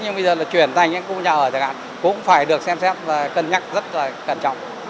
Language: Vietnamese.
nhưng bây giờ là chuyển thành những khu nhà ở chẳng hạn cũng phải được xem xét và cân nhắc rất là cẩn trọng